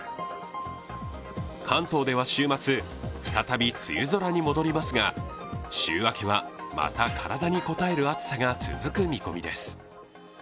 関東では週末、再び梅雨空にもどりますが、週明けはまた体にこたえる暑さが続く見込みです。